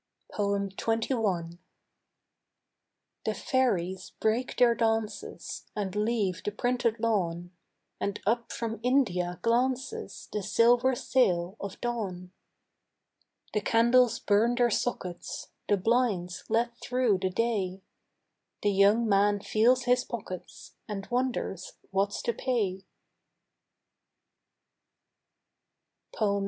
XXI. The fairies break their dances And leave the printed lawn, And up from India glances The silver sail of dawn. The candles burn their sockets, The blinds let through the day, The young man feels his pockets And wonders what's to pay. XXII.